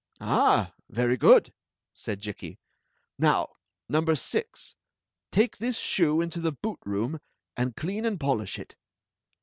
"Ah! very good!" said Jikki. "Now, number six, take this shoe into the boot room, and clean and polish it."